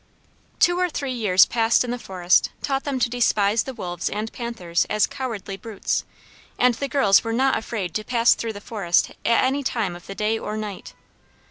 Two or three years passed in the forest taught them to despise the wolves and panthers as cowardly brutes, and the girls were not afraid to pass through the forest at any time of the day or night.